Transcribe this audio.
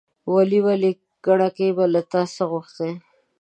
ولي! ولي! کڼکۍ به له تا څه غوښتاى ،